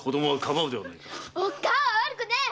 おっかあは悪くねえ！